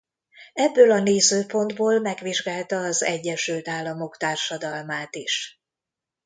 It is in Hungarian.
Ebből a nézőpontból megvizsgálta az Egyesült Államok társadalmát is.